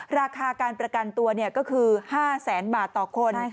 ราคาการประกันตัวก็คือ๕แสนบาทต่อคน